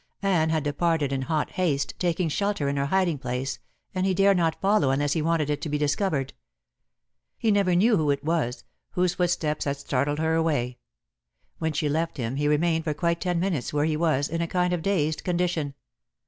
Anne had departed in hot haste, taking shelter in her hiding place, and he dare not follow unless he wanted it to be discovered. He never knew who it was, whose footsteps had startled her away. When she left him he remained for quite ten minutes where he was, in a kind of dazed condition.